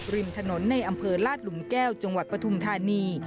ริมถนนในอำเภอลาดหลุมแก้วจังหวัดปฐุมธานี